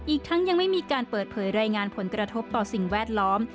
อีกทั้งยังไม่มีการเปิดเผยรายงานผลกระทบต่อสิ่งแวดล้อม